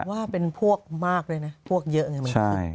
ว่าเป็นพวกมากด้วยนะพวกเยอะอย่างนี้